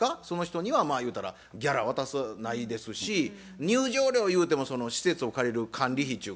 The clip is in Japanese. その人にはゆうたらギャラ渡すないですし入場料ゆうてもその施設を借りる管理費